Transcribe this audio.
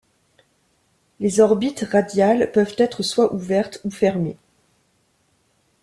Les orbites radiales peuvent être soit ouvertes ou fermées.